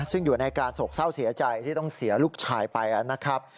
ซึ่งอยู่ในอาการโศกเศร้าเสียใจที่ต้องเสียลูกชายไปนะครับ